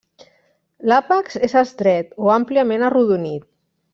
L'àpex és estret o àmpliament arrodonit.